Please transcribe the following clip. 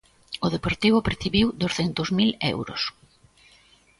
O Deportivo percibiu douscentos mil euros.